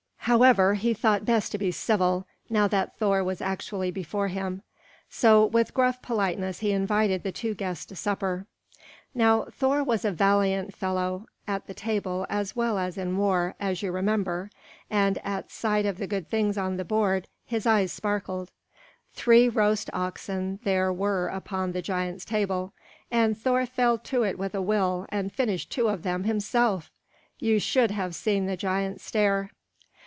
However, he thought best to be civil, now that Thor was actually before him. So with gruff politeness he invited the two guests to supper. Now Thor was a valiant fellow at the table as well as in war, as you remember; and at sight of the good things on the board his eyes sparkled. Three roast oxen there were upon the giant's table, and Thor fell to with a will and finished two of them himself! You should have seen the giant stare.